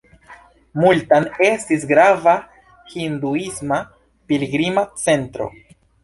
Multan estis grava hinduisma pilgrima centro.